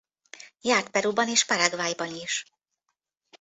Járt Peruban és Paraguayban is.